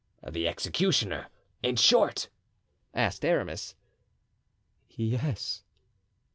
"The executioner, in short?" asked Aramis. "Yes."